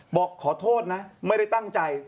บอกขอโทษนะไม่ได้ตั้งใจ